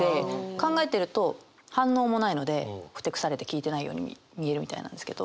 考えてると反応もないのでふてくされて聞いてないように見えるみたいなんですけど。